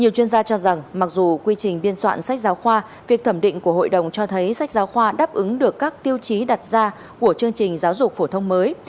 nhiều chuyên gia cho rằng mặc dù quy trình biên soạn sách giáo khoa việc thẩm định của hội đồng cho thấy sách giáo khoa đáp ứng được các tiêu chí đặt ra của chương trình giáo dục phổ thông mới